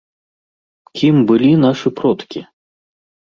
Кім былі нашы продкі?